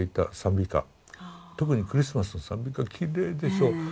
特にクリスマスの賛美歌きれいでしょ。